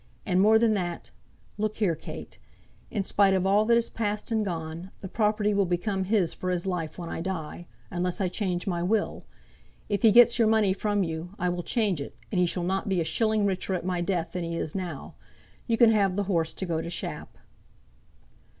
And more than that! Look here, Kate. In spite of all that has past and gone, the property will become his for his life when I die, unless I change my will. If he gets your money from you, I will change it, and he shall not be a shilling richer at my death than he is now. You can have the horse to go to Shap."